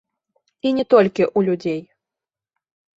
І не толькі ў людзей.